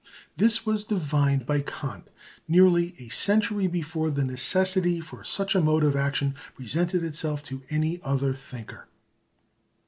This was divined by Kant nearly a century before the necessity for such a mode of action presented itself to any other thinker.